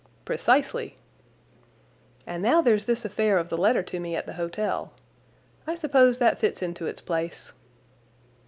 "Precisely." "And now there's this affair of the letter to me at the hotel. I suppose that fits into its place."